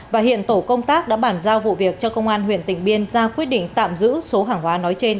và hiện tổ công tác đã bản giao vụ việc cho công an huyện tịnh biên ra quyết định tạm giữ số hàng hóa nói trên